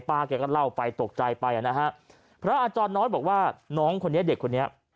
ป้าเขาก็เล่าไปตกใจไปพระอาจารย์น้อยบอกว่าน้องคนนี้เด็กคนนี้